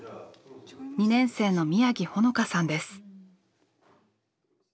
２年生の宮城穂花さんです。